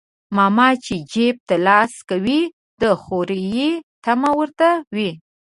ماما چى جيب ته لاس کوى د خورى طعمه ورته وى.